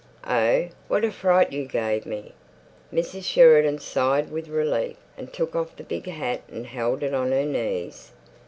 "Oh, what a fright you gave me!" Mrs. Sheridan sighed with relief, and took off the big hat and held it on her knees.